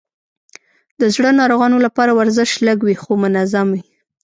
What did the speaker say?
د زړه ناروغانو لپاره ورزش لږ وي، خو منظم وي.